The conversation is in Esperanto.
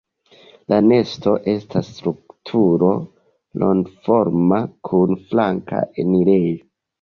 La nesto estas strukturo rondoforma kun flanka enirejo.